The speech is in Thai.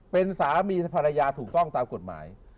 เป็นสามีภรรยาถูกต้องตามกฎหมาย